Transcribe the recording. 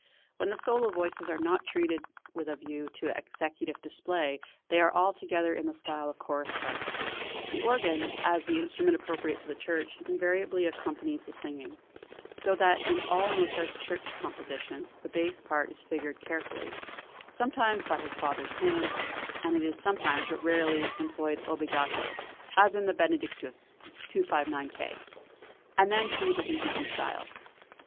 When the solo voices are not treated with a view to executive display they are altogether in the style of chorus parts. The organ, as the instrument appropriate to the church, invariably accompanies the singing, so that in all Mozart's church compositions the bass part is carefully figured, sometimes by his father's hand; it is sometimes, but rarely, employed obbligato, as in the Benedictus (259 K.), and then treated in easy style.